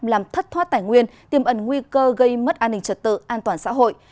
làm thất thoát tài nguyên tiêm ẩn nguy cơ gây mất an ninh trật tự an toàn xã hội